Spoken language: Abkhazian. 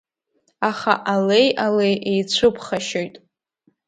Аха алеи алеи еицәыԥхашьоит.